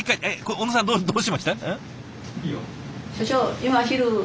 小野さんどうしました？